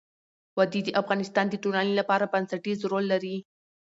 وادي د افغانستان د ټولنې لپاره بنسټيز رول لري.